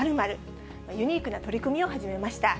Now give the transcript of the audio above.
ユニークな取り組みを始めました。